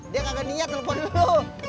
dia kagak niat telepon dulu